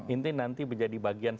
ini nanti menjadi program yang berhasil